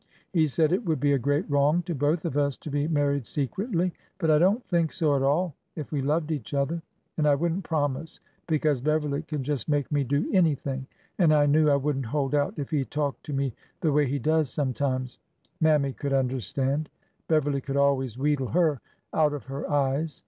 He said it would be a great wrong to both of us to be married secretly,— but I don't think so at all, if we loved each other,— and I would n't promise, because Beverly can just make me do anything, and I knew I would n't hold out if he talked to me the way he does sometimes." Mammy could un derstand. Beverly could always wheedle her out of her eyes.